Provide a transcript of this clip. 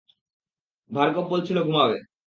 ভার্গব বলছিল ঘুমাবে।